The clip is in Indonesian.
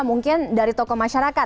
mungkin dari tokoh masyarakat